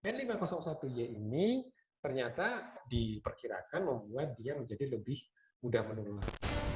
n lima ratus satu y ini ternyata diperkirakan membuat dia menjadi lebih mudah menurun